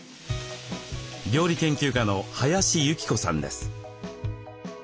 料理研究家の林幸子さんです。